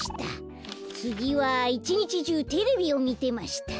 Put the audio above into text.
つぎは「いち日じゅうてれびをみてました」。